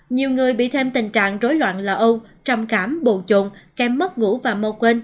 nhiều người bị thêm tình trạng rối loạn lò âu trầm cảm bồn trộn kém mất ngủ và mơ quên